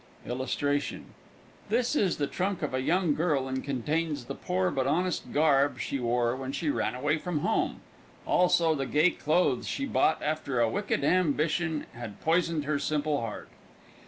This is the trunk of a young girl, and contains the poor but honest garb she wore when she ran away from home. Also the gay clothes she bought after a wicked ambition had poisoned her simple heart.